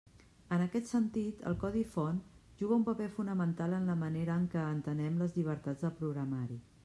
En aquest sentit, el codi font juga un paper fonamental en la manera en què entenem les llibertats del programari.